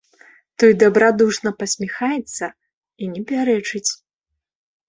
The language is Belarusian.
Той дабрадушна пасміхаецца і не пярэчыць.